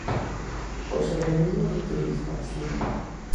O soberanismo rupturista, si.